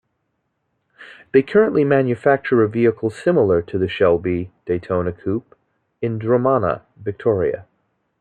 They currently manufacture a vehicle similar to the Shelby Daytona Coupe in Dromana, Victoria.